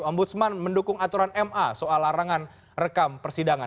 ombudsman mendukung aturan ma soal larangan rekam persidangan